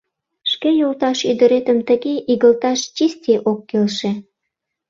— Шке йолташ ӱдыретым тыге игылташ чисти ок келше.